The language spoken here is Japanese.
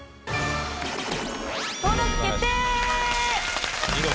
登録決定！